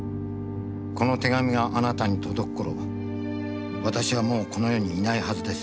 この手紙があなたに届く頃私はもうこの世にいないはずです」